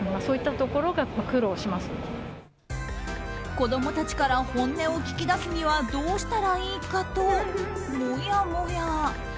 子供たちから本音を聞き出すにはどうしたらいいかと、もやもや。